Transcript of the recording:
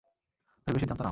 ভেবে সিদ্ধান্ত নাও।